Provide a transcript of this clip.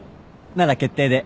なら決定で。